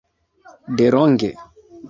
delonge